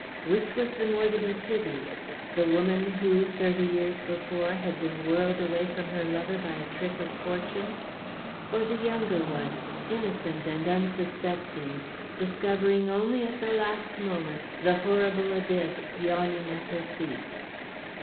Which was the more to be pitied the woman who, thirty years before, had been whirled away from her lover by a trick of fortune; or the younger one, innocent and unsuspecting, discovering, only at the last moment, the horrible abyss yawning at her feet?